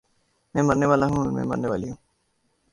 میں مرنے والا ہوں اور میں مرنے والی ہوں